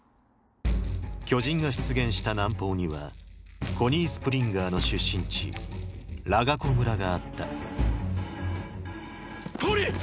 巨人が出現した南方にはコニー・スプリンガーの出身地ラガコ村があったコニー！